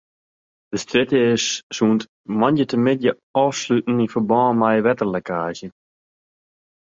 De strjitte is sûnt moandeitemiddei ôfsletten yn ferbân mei in wetterlekkaazje.